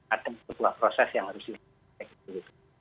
ada sebuah proses yang harus dilakukan